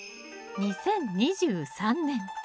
２０２３年。